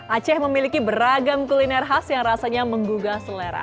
aceh memiliki beragam kuliner khas yang rasanya menggugah selera